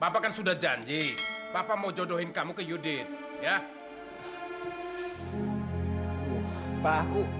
raka aku ke kamar mandi dulu ya